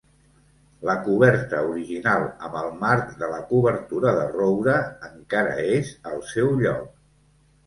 La coberta original amb el marc de la coberta de roure encara és al seu lloc.